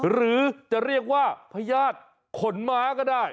หรือจะเรียกว่าพญาติขนมม้าก็ได้